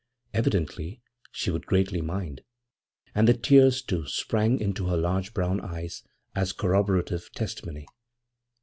Evidently she would greatly mind; and the tears, too, sprang into her large brown eyes as corroborative testimony.